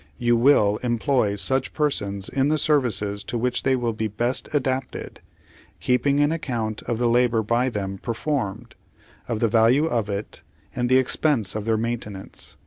You will employ such persons in the services to which they will be best adapted ; keeping an account of the labor by them performed, of the value of it, and the expense of their maintenance.